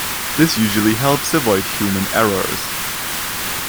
This usually helps avoid human errors.